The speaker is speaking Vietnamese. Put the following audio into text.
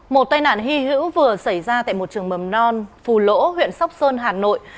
một tai nạn hy hữu vừa xảy ra tại một trường mầm non phù lỗ huyện sóc sơn hà nội